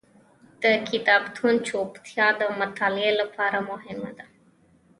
د کتابتون چوپتیا د مطالعې لپاره مهمه ده.